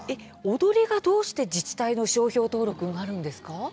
踊りが、どうして自治体の商標登録になるんですか。